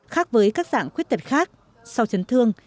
khác với các dạng khuyết tật khác sau chấn thương